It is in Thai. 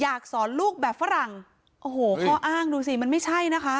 อยากสอนลูกแบบฝรั่งโอ้โหข้ออ้างดูสิมันไม่ใช่นะคะ